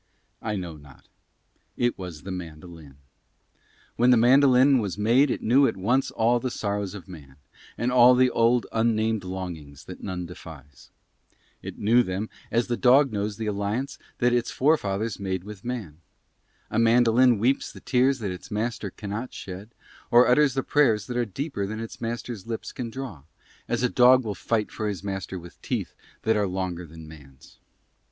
I know not. It was the mandolin. When the mandolin was made it knew at once all the sorrows of man, and all the old unnamed longings that none defines. It knew them as the dog knows the alliance that its forefathers made with man. A mandolin weeps the tears that its master cannot shed, or utters the prayers that are deeper than its master's lips can draw, as a dog will fight for his master with teeth that are longer than man's.